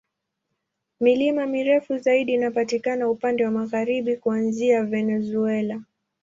Milima mirefu zaidi inapatikana upande wa magharibi, kuanzia Venezuela.